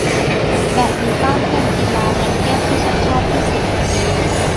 แบดมินตันเป็นกีฬาแร็คเก็ทที่ฉันชอบที่สุด